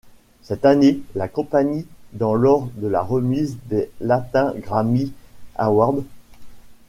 Cette année, la compagnie dans lors de la remise des Latin Grammy Award.